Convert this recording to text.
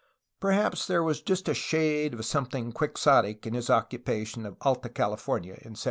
Perhaps there was just a shade of some thing Quixotic in his occupation of Alta Cahfornia in 1769.